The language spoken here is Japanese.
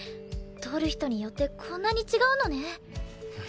撮る人によってこんなに違うのね！